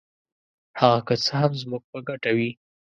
هغه که څه هم زموږ په ګټه وي.